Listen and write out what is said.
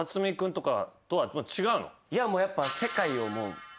いやもうやっぱ。